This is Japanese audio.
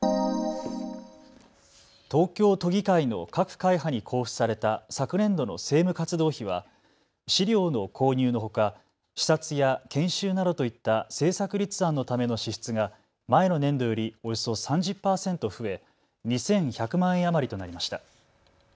東京都議会の各会派に交付された昨年度の政務活動費は資料の購入のほか視察や研修などといった政策立案のための支出が前の年度よりおよそ３０％増え２１００万円余りとなりました。